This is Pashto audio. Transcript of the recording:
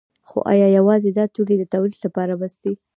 خو ایا یوازې دا توکي د تولید لپاره بس دي؟